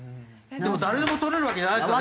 でも誰でも取れるわけじゃないですからね！